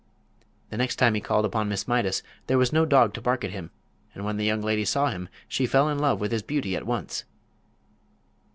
The next time he called upon Miss Mydas there was no dog to bark at him, and when the young lady saw him she fell in love with his beauty at once.